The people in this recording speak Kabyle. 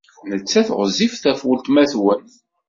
Nettat ɣezzifet ɣef weltma-twen.